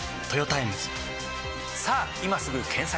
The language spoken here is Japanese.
さぁ今すぐ検索！